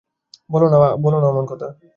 বলো না বলো না অমন কথা।